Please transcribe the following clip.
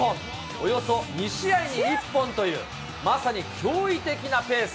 およそ２試合に１本という、まさに驚異的なペース。